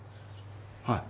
はい。